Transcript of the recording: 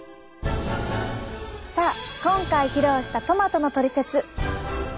さあ今回披露したトマトのトリセツ。